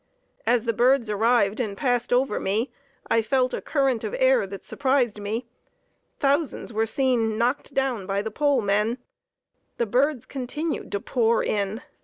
As the birds arrived and passed over me, I felt a current of air that surprised me. Thousands were seen knocked down by the pole men. The birds continued to pour in.